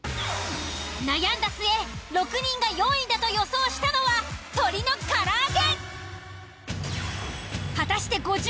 悩んだ末６人が４位だと予想したのは鶏の唐揚。